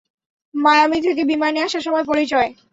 Miami থেকে বিমানে আসার সময় পরিচয়।